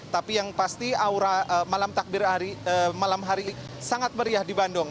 tapi yang pasti aura malam takbir malam hari sangat meriah di bandung